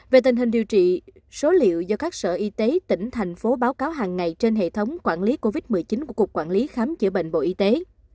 về tình hình điều trị số liệu do các sở y tế tỉnh thành phố báo cáo hàng ngày trên hệ thống quản lý covid một mươi chín của cục quản lý khám chữa bệnh bộ y tế